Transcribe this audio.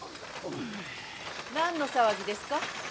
・何の騒ぎですか？